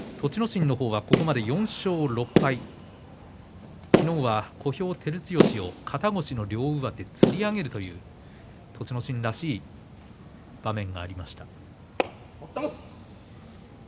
心の方は、ここまで４勝６敗昨日は小兵の照強を肩越しの両上手でつり上げるという栃ノ心らしい場面がありました。